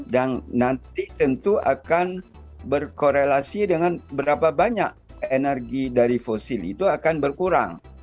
dan nanti tentu akan berkorelasi dengan berapa banyak energi dari fosil itu akan berkurang